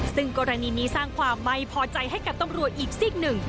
ซึ่งกรณีนี้สร้างความไม่พอใจให้กับตำรวจอีกซีกหนึ่ง